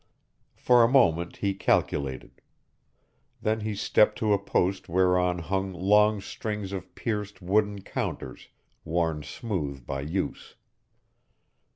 For a moment he calculated. Then he stepped to a post whereon hung long strings of pierced wooden counters, worn smooth by use.